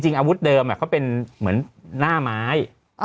อาวุธเดิมเขาเป็นเหมือนหน้าไม้